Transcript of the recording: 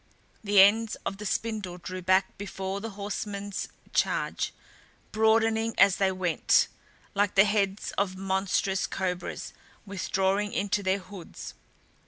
The ends of the spindle drew back before the horsemen's charge, broadening as they went like the heads of monstrous cobras withdrawing into their hoods.